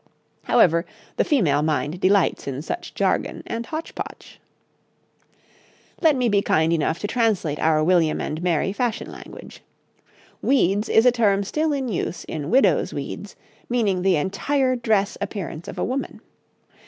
However, the female mind delights in such jargon and hotch potch. Let me be kind enough to translate our William and Mary fashion language. 'Weeds' is a term still in use in 'widow's weeds,' meaning the entire dress appearance of a woman.